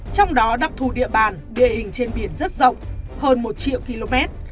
trong đó đặc thù địa bàn địa hình trên biển rất rộng hơn một triệu km